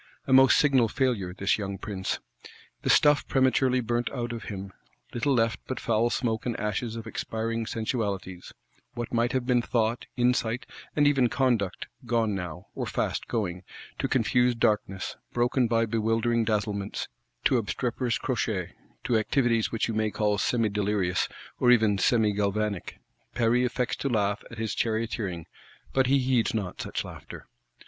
A most signal failure, this young Prince! The stuff prematurely burnt out of him: little left but foul smoke and ashes of expiring sensualities: what might have been Thought, Insight, and even Conduct, gone now, or fast going,—to confused darkness, broken by bewildering dazzlements; to obstreperous crotchets; to activities which you may call semi delirious, or even semi galvanic! Paris affects to laugh at his charioteering; but he heeds not such laughter.